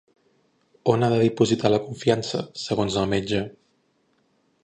On ha de dipositar la confiança, segons el metge?